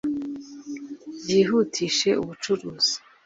ryihutishe ubucuruzi